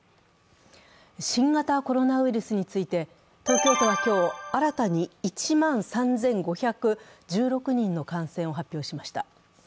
新型コロナウイルスについて、東京都は今日、新たに１万３５１６人の感染を発表しました。